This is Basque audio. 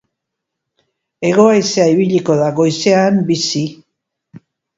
Hego-haizea ibiliko da, goizean bizi.